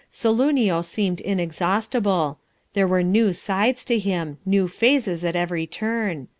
Saloonio seemed inexhaustible. There were new sides to him new phases at every turn.